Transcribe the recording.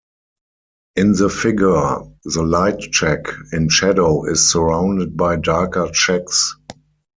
In the figure, the light check in shadow is surrounded by darker checks.